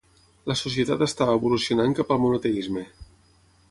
La societat estava evolucionant cap al monoteisme.